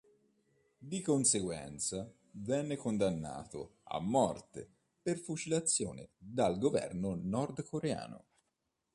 Di conseguenza, venne condannato a morte per fucilazione dal governo nordcoreano.